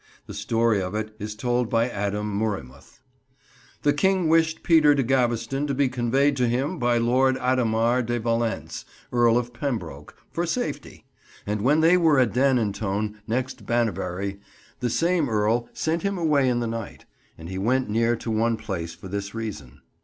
The story of it is told by Adam Murimuth— "The King wished Peter de Gavestone to be conveyed to him by Lord Adamar de Valense, Earl of Pembroke, for safety; and, when they were at Danyntone next Bannebury, the same Earl sent him away in the night; and he went near to one place for this reason.